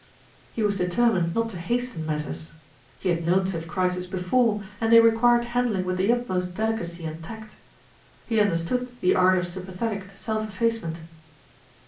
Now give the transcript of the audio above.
He was determined not to hasten matters. He had known such crises before, and they required handling with the utmost delicacy and tact. He understood the art of sympathetic self effacement.